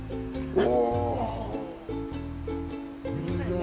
お。